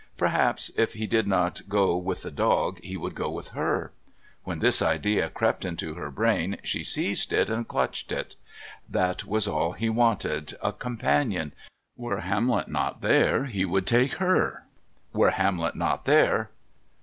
Perhaps, if he did not go with the dog he would go with her. When this idea crept into her brain she seized it and clutched it. That was all he wanted a companion! Were Hamlet not there he would take her. Were Hamlet not there...